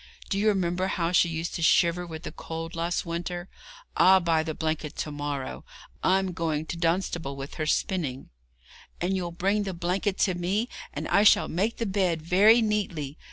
Do you remember how she used to shiver with the cold last winter? I'll buy the blanket to morrow. I'm going to Dunstable with her spinning.' 'And you'll bring the blanket to me, and I shall make the bed very neatly.